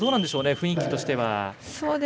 雰囲気としては。